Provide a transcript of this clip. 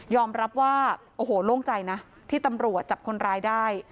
รับว่าโอ้โหโล่งใจนะที่ตำรวจจับคนร้ายได้